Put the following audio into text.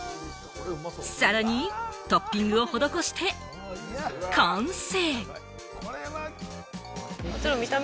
さらにトッピングを施して、完成！